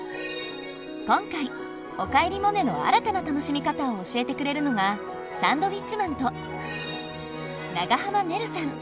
今回「おかえりモネ」の新たな楽しみ方を教えてくれるのがサンドウィッチマンと長濱ねるさん。